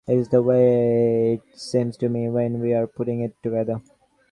It's the way it seemed to me when we were putting it together.